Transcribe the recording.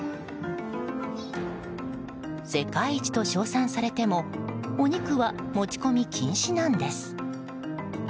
世界一と称賛されてもお肉は持ち込み禁止なんです。